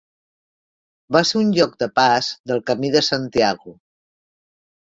Va ser un lloc de pas del camí de Santiago.